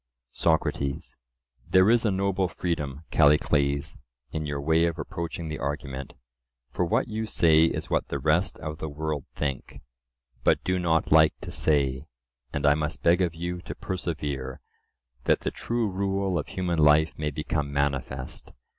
SOCRATES: There is a noble freedom, Callicles, in your way of approaching the argument; for what you say is what the rest of the world think, but do not like to say. And I must beg of you to persevere, that the true rule of human life may become manifest.